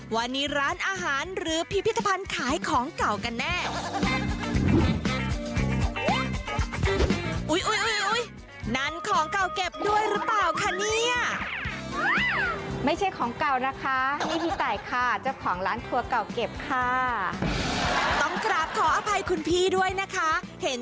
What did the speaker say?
วันนี้ร้านอาหารหรือพิพิธภัณฑ์ขายของเก่ากันแน่